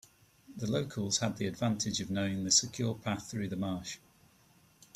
The locals had the advantage of knowing the secure path through the marsh.